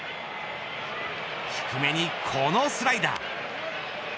低めに、このスライダー。